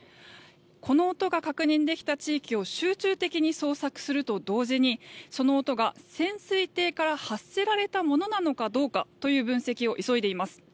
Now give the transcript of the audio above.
この音が確認できた地域を集中的に捜索すると同時にその音が潜水艇から発せられたものなのかどうかという分析を急いでいます。